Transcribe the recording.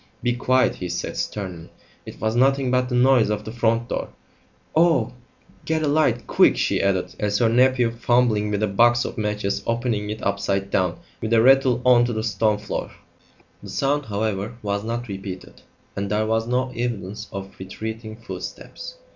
"Be quiet!" he said sternly. "It was nothing but the noise of the front door." "Oh! get a light quick!" she added, as her nephew, fumbling with a box of matches, opened it upside down and let them all fall with a rattle on to the stone floor. The sound, however, was not repeated; and there was no evidence of retreating footsteps.